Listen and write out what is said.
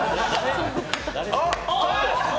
あっ！